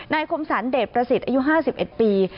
คมสรรเดชประสิทธิ์อายุ๕๑ปี